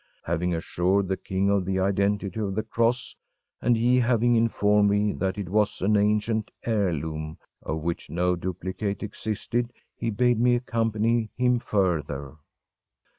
Having assured the king of the identity of the cross, and he having informed me that it was an ancient heirloom of which no duplicate existed, he bade me accompany him further.